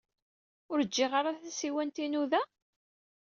Ur ǧǧiɣ ara tasiwant-inu da?